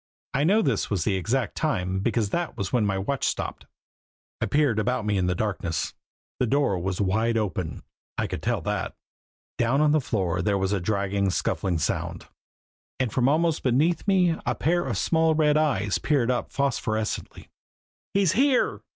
I know this was the exact time because that was when my watch stopped. I peered about me in the darkness. The door was wide open I could tell that. Down on the floor there was a dragging, scuffling sound, and from almost beneath me a pair of small red eyes peered up phosphorescently. "He's here!"